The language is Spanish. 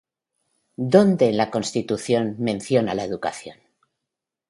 ¿Dónde, en la Constitución, menciona la educación?